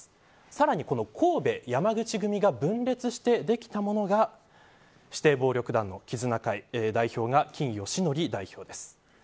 さらに、その神戸山口組が分裂してできたものが指定暴力団の絆曾指定代表が金禎紀代表です。